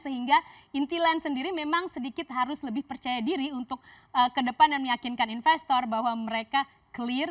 sehingga inti lain sendiri memang sedikit harus lebih percaya diri untuk ke depan dan meyakinkan investor bahwa mereka clear